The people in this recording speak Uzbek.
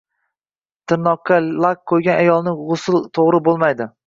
Tirnoqqa lak qo‘ygan ayolning g‘usli to‘g‘ri bo‘lmaydi.